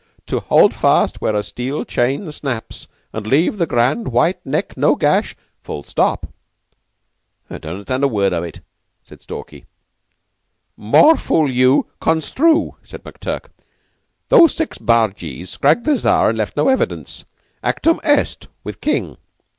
To hold fast where a steel chain snaps And leave the grand white neck no gash. (Full stop.)" "'Don't understand a word of it," said Stalky. "More fool you! Construe," said McTurk. "Those six bargees scragged the Czar, and left no evidence. Actum est with King."